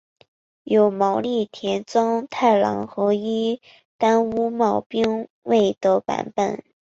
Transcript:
有毛利田庄太郎和伊丹屋茂兵卫的版本。